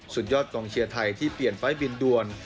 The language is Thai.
สุดยอดกองเชียร์ไทยที่เปลี่ยนไฟล์บินด่วน